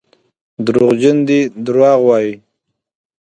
دروغجن دي دروغ وايي.